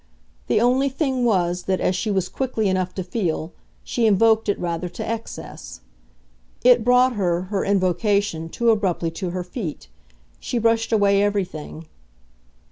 The only thing was that, as she was quickly enough to feel, she invoked it rather to excess. It brought her, her invocation, too abruptly to her feet. She brushed away everything.